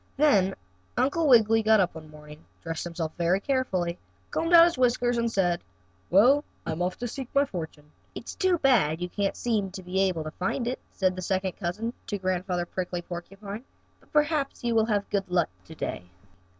Then Uncle Wiggily got up one morning, dressed himself very carefully, combed out his whiskers, and said: "Well, I'm off again to seek my fortune." "It's too bad you can't seem able to find it," said the second cousin to Grandfather Prickly Porcupine, "but perhaps you will have good luck to day.